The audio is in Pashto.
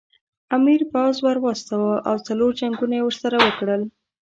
امیر پوځ ور واستاوه او څلور جنګونه یې ورسره وکړل.